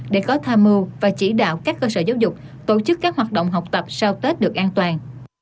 để có tham mưu và chỉ đạo các cơ sở giáo dục tổ chức các hoạt động học tập sau tết được an toàn